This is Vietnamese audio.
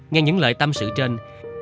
nghe những lời tâm sự trên